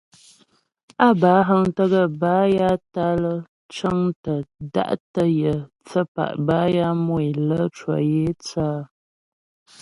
Á bə́ á həŋtə gaə́ bâ ya tǎ'a lə́ cəŋtə da'tə yə cyə̌pa' bə́ ya mu é lə cwə yə é thə́ áa.